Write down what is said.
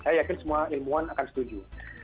saya yakin semua ilmuwan akan setuju